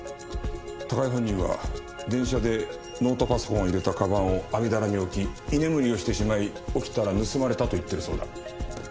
高井本人は電車でノートパソコンを入れた鞄を網棚に置き居眠りをしてしまい起きたら盗まれたと言ってるそうだ。